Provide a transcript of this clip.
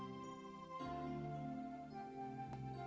aku set privilege untuk dirinya